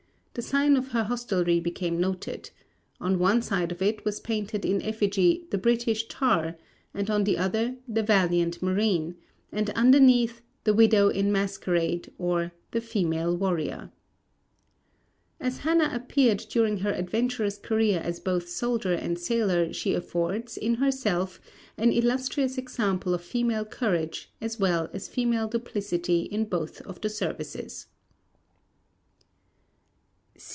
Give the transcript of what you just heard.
The sign of her hostelry became noted. On one side of it was painted in effigy The British Tar and on the other The Valiant Marine, and underneath The Widow in masquerade, or the Female Warrior. As Hannah appeared during her adventurous career as both soldier and sailor she affords, in herself, an illustrious example of female courage as well as female duplicity in both of the services.